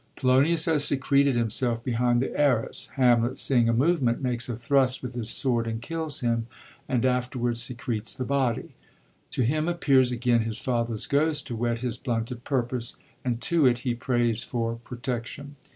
Polonius has secreted himself behind the arras ; Hamlet, seeing a movement, makes a thrust with his sword and kills him, and after wards secretes the body. To him appears again his father's ghost to whet his blunted purpose, and to it he prays for protection.